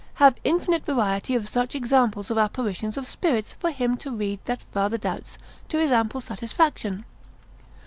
have infinite variety of such examples of apparitions of spirits, for him to read that farther doubts, to his ample satisfaction.